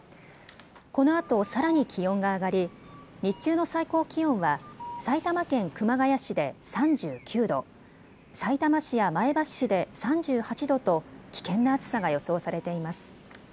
このあとさらに気温が上がり日中の最高気温は埼玉県熊谷市で３９度、さいたま市や前橋市で３８度と危険な暑さが予想されています。